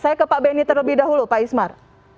saya ke pak beni terlebih dahulu pak ismat